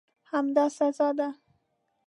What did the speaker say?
همدا سزا ده.